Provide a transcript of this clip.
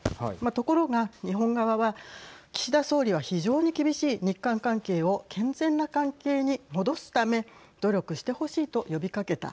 ところが、日本側は岸田総理は非常に厳しい日韓関係を健全な関係に戻すため努力してほしいと呼びかけた。